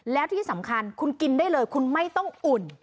แล้วที่สำคัญคุณกินได้เลยคุณไม่ต้องอุ่น